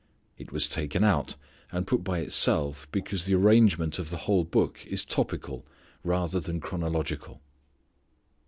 It was taken out and put by itself because the arrangement of the whole Book is topical rather than chronological.